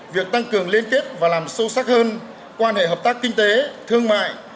việc tăng cường liên kết và làm sâu sắc hơn quan hệ hợp tác kinh tế thương mại